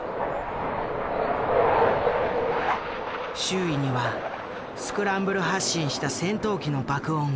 周囲にはスクランブル発進した戦闘機の爆音が。